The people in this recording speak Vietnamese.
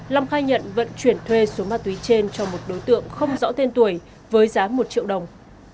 long khai nhận vận chuyển thuê số ma túy trên cho một đối tượng không rõ tên tuổi với giá một triệu đồng